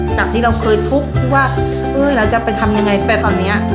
จากที่เราเคยทุกข์ว่าเอ้ยเราจะไปทำยังไงแต่ตอนเนี้ย